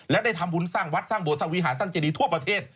และได้ทำบุญสร้างวัดสร้างโบสถ์สร้างวิหารสร้างเจนีย์ทั่วประเทศ